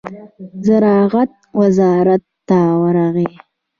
زراعت وزارت ته ورغی.